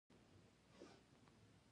افغانستان په سلیمان غر باندې غني دی.